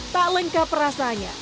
tak lengkap rasanya